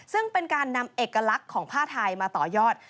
ซึ่งเป็นการนำเอกลักษณ์ของผ้าไทยมาต่อยอด